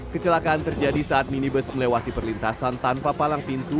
kecelakaan terjadi saat minibus melewati perlintasan tanpa palang pintu